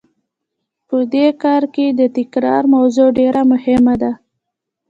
په دې کار کې د تکرار موضوع ډېره مهمه ده.